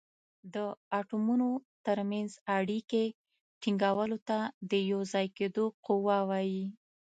د اتومونو تر منځ اړیکې ټینګولو ته د یو ځای کیدو قوه وايي.